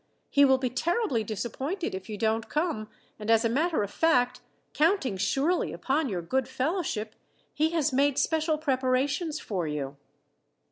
"He will be terribly disappointed if you don't come, and as a matter of fact, counting surely upon your good fellowship, he has made special preparations for you."